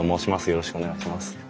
よろしくお願いします。